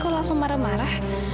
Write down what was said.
kok langsung marah marah